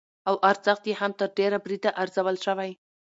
او ارزښت يې هم تر ډېره بريده ارزول شوى،